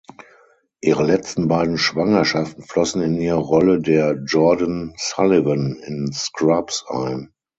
Ihre letzten beiden Schwangerschaften flossen in ihre Rolle der "Jordan Sullivan" in "Scrubs" ein.